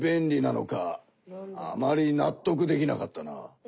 あまりなっとくできなかったな。